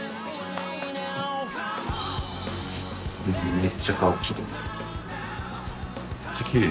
めっちゃ顔きれい。